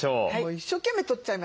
一生懸命撮っちゃいました。